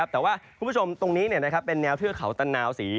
แต่ว่าคุณผู้ชมตรงนี้เป็นแนวเทือกเขาตะนาวสี